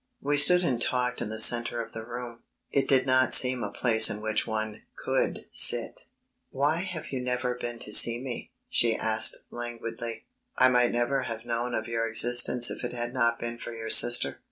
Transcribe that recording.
We stood and talked in the centre of the room. It did not seem a place in which one could sit. "Why have you never been to see me?" she asked languidly. "I might never have known of your existence if it had not been for your sister."